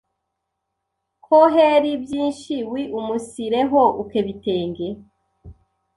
ko heri byinshi wiumunsireho ukebitenge